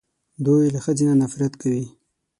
دوی له ښځې نه نفرت کوي